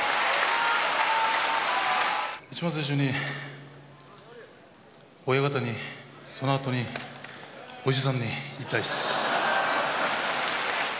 一番最初に親方に、そのあとに叔父さんに言いたいです。